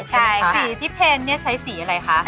สีที่เพลงใช้สีอะไรคะ